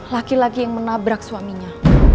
laki laki yang menabrak suaminya